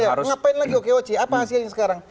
iya ngapain lagi okoc apa hasilnya sekarang